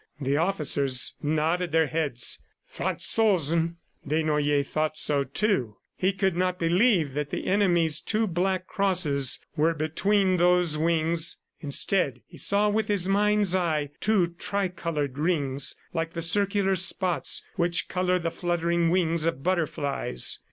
The officers nodded their heads. "Franzosen!" Desnoyers thought so, too. He could not believe that the enemy's two black crosses were between those wings. Instead he saw with his mind's eye, two tricolored rings like the circular spots which color the fluttering wings of butterflies.